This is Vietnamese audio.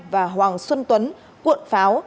và hoàng xuân tuấn cuộn pháo